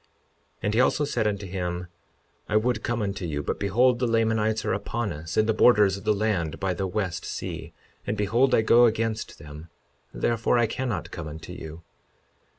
52:11 And he also said unto him, I would come unto you, but behold, the Lamanites are upon us in the borders of the land by the west sea; and behold, I go against them, therefore I cannot come unto you.